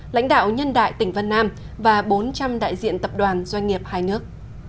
lãnh đạo nhân đại tỉnh vân nam và bốn trăm linh đại diện tập đoàn doanh nghiệp hai nước